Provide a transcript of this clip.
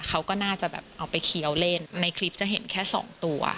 เขาก็น่าจะแบบเอาไปเคี้ยวเล่นในคลิปจะเห็นแค่สองตัว